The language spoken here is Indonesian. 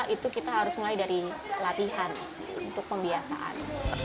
itu kita harus mulai dari latihan untuk pembiasaan